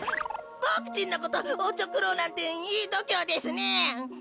ボクちんのことおちょくろうなんていいどきょうですね！